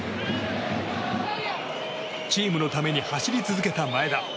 チームのために走り続けた前田。